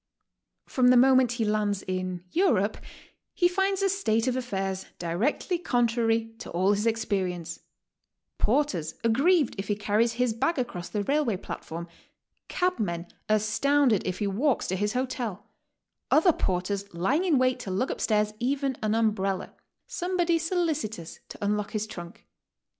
From the moment he lands in Europe he finds a state of affairs directly contrary to all his experience, — porters ag grieved if he carries his bag across the railway platform, cabmen astounded if he walks to his hotel, other porters lying in wait to lug up stairs even an umbrella, somebody solicitous to unlock his trunk.